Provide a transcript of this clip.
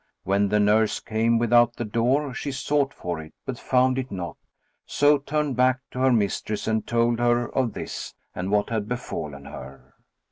When the nurse came without the door, she sought for it, but found it not, so turned back to her mistress and told her of this and what had befallen her.